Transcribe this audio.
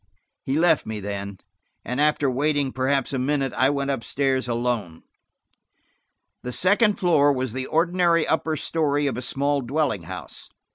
He left me then, and after waiting perhaps a minute, I went up stairs alone. The second floor was the ordinary upper story of a small dwelling house.